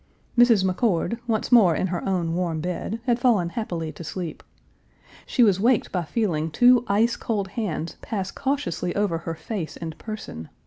Mrs. McCord, once more in her own warm bed, had fallen happily to sleep. She was waked by feeling two ice cold hands pass cautiously over her face and person.